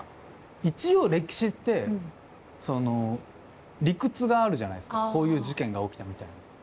一応歴史って理屈があるじゃないすかこういう事件が起きたみたいな。